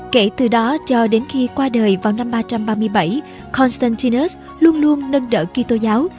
kể từ đó cho đến khi qua đời vào năm ba trăm ba mươi bảy constantinus luôn luôn nâng đỡ kỹ tô giáo